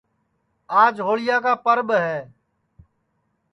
آج ہوݪیا کا پرٻ ہے